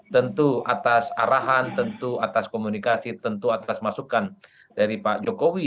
tentu atas arahan tentu atas komunikasi tentu atas masukan dari pak jokowi